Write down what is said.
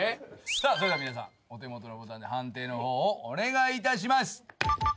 さあそれでは皆さんお手元のボタンで判定のほうをお願いいたします。